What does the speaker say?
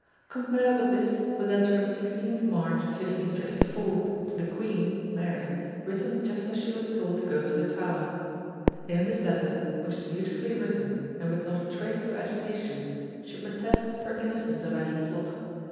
Compare with this the letter of 16th March, 1554 to the Queen (Mary) written just as she was told to go to the Tower. In this letter which is beautifully written and with not a trace of agitation she protests her innocence of any plot.